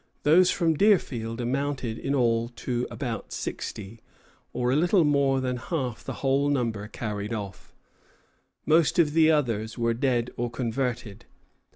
Those from Deerfield amounted in all to about sixty, or a little more than half the whole number carried off. Most of the others were dead or converted.